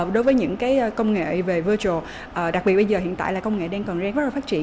đối với những công nghệ về virtual đặc biệt bây giờ hiện tại là công nghệ đang còn đang phát triển